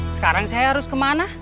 sekarang saya harus kemana